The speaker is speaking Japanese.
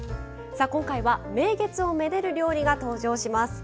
さあ今回は名月をめでる料理が登場します。